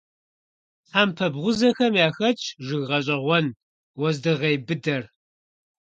Тхьэмпэ бгъузэхэм яхэтщ жыг гъэщӀэгъуэн - уэздыгъей быдэр.